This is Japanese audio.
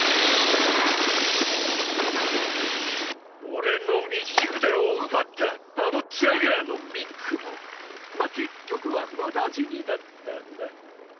俺の右腕を奪ったあのジャガーのミンクもまあ結局は無駄死にだったな。